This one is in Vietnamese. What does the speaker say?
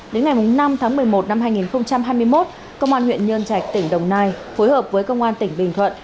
đến ngày năm tháng một mươi một năm hai nghìn hai mươi một công an huyện nhân trạch tỉnh đồng nai phối hợp với công an tỉnh bình thuận